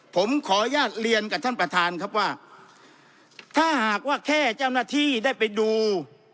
ผมขออนุญาตเรียนกับท่านประธานครับว่าถ้าหากว่าแค่เจ้าหน้าที่ได้ไปดู